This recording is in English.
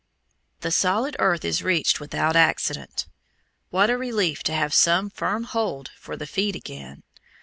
The solid earth is reached without accident. What a relief to have some firm hold for the feet again!